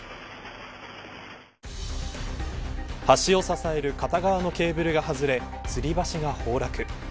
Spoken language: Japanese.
橋を支える片側のケーブルが外れつり橋が崩落。